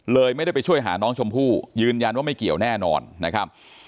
ไม่ได้ไปช่วยหาน้องชมพู่ยืนยันว่าไม่เกี่ยวแน่นอนนะครับ